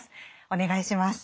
お願いします。